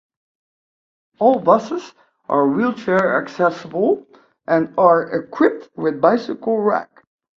All buses are wheelchair accessible and are equipped with bicycle racks.